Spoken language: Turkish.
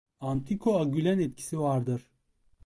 Antikoagülan etkisi vardır.